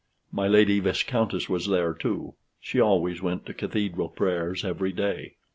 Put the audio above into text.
My Lady Viscountess was there, too; she always went to Cathedral prayers every day.